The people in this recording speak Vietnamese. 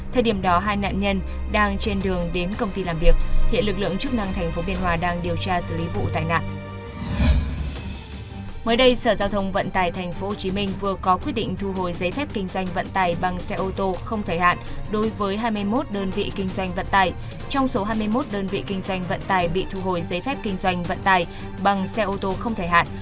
trong số hai mươi một đơn vị kinh doanh vận tài bị thu hồi giấy phép kinh doanh vận tài bằng xe ô tô không thể hạn